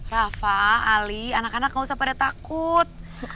rafa ali anak anak gak usah pada takut